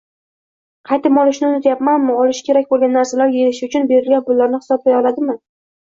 Qaytim olishni unutmayaptimi, olinishi kerak bo‘lgan narsalarga yetishi uchun berilgan pullarni hisoblay oladimi?